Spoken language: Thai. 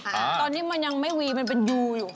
ตอนนี้มันยังไม่วีมันเป็นยูอยู่